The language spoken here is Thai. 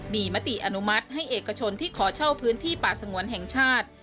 มีมติอนุมัติให้เอกชนที่ขอเช่าพื้นที่ป่าสงวนแห่งชาติ